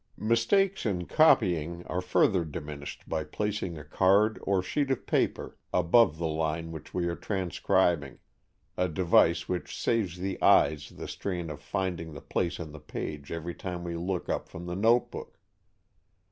Mistakes in copying are further diminished by placing a card or sheet of paper above the line which we are transcribing, a device which saves the eyes the strain of finding the place on the page every time we look up from the notebook.